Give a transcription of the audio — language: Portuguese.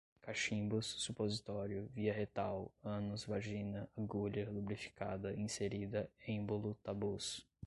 cachimbos, supositório, via retal, ânus, vagina, agulha, lubrificada, inserida, êmbolo, tabus